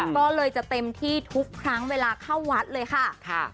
ก็เลยจะเต็มที่ทุกครั้งเวลาเข้าวัดเลยค่ะ